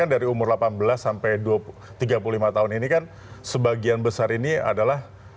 dari umur delapan belas sampai tiga puluh lima tahun ini kan sebagian besar ini adalah